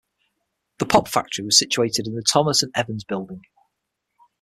The pop factory was situated in the Thomas and Evans building.